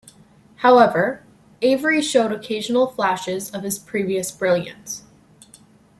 However, Avery showed occasional flashes of his previous brilliance.